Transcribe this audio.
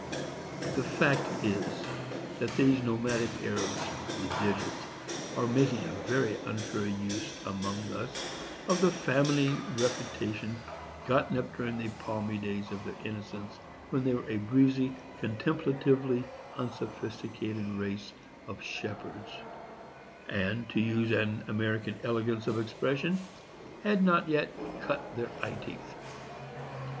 The fact is, that these nomadic Arabs, the digits, are making a very unfair use, among us, of the family reputation gotten up during the palmy days of their innocence, when they were a breezy, contemplatively unsophisticated race of shepherds, and, to use an American elegance of expression, had not yet "cut their eye teeth."